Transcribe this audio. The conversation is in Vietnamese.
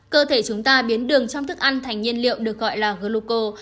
cơ thể chúng ta biến đường trong thức ăn thành nhiên liệu được gọi là gluco